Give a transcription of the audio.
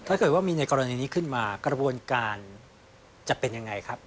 ถ้าเกิดว่ามีในกรณีนี้ขึ้นมากระบวนการจะเป็นยังไงครับ